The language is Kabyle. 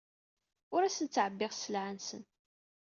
Ur asen-ttɛebbiɣ sselɛa-nsen.